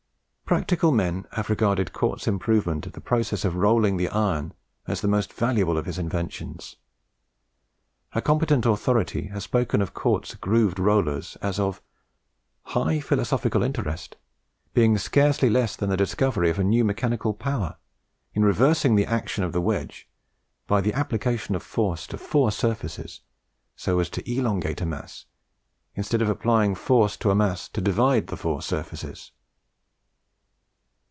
Practical men have regarded Cort's improvement of the process of rolling the iron as the most valuable of his inventions. A competent authority has spoken of Cort's grooved rollers as of "high philosophical interest, being scarcely less than the discovery of a new mechanical Power, in reversing the action of the wedge, by the application of force to four surfaces, so as to elongate a mass, instead of applying force to a mass to divide the four surfaces."